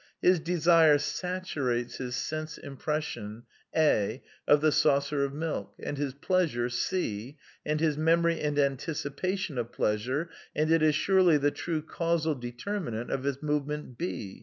His desire saturates his sense impression, a\ of the saucer of milk, and his pleasure c^, and his memory and anticipation of pleasure, and it is surely the true causal determinant of his move ment h.